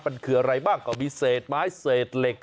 มันคืออะไรบ้างก็มีเศษไม้เศษเหล็ก